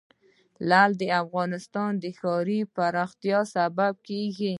لعل د افغانستان د ښاري پراختیا سبب کېږي.